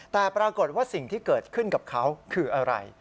แต่ปรากฏว่าสิ่งที่เกิดขึ้นกับเขาคืออะไร